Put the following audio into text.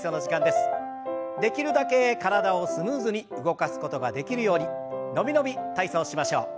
できるだけ体をスムーズに動かすことができるように伸び伸び体操しましょう。